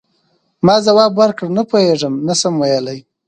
ما ځواب ورکړ: نه پوهیږم، نه شم ویلای.